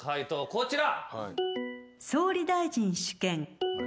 こちら。